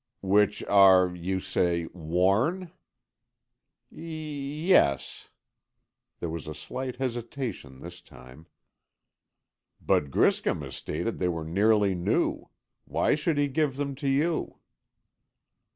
"Which are, you say, worn?" "Y yes." There was a slight hesitation this time. "But Griscom has stated they were nearly new. Why should he give them to you?"